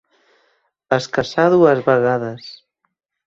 Es casà dues vegades.